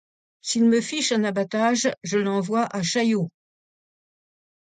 S'il me fiche un abatage, je l'envoie à Chaillot.